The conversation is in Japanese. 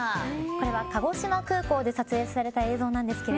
これは鹿児島空港で撮影された映像です。